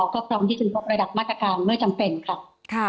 ก็ต้องที่สุดบริษัทมัตกกาศเมื่อจำเป็นครับ